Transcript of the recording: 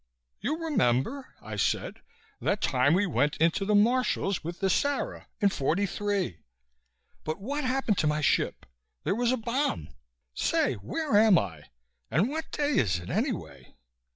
"You remember," I said. "That time we went into the Marshalls with the Sara in forty three. But what happened to my ship? There was a bomb.... Say, where am I and what day is it anyway?"